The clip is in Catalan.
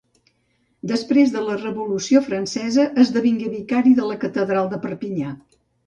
Després de la Revolució francesa esdevingué vicari de la catedral de Perpinyà.